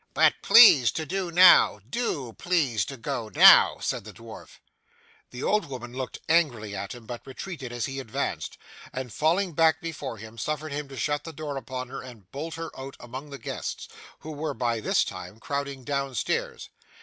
'But please to do now. Do please to go now,' said the dwarf. The old woman looked angrily at him, but retreated as he advanced, and falling back before him, suffered him to shut the door upon her and bolt her out among the guests, who were by this time crowding downstairs.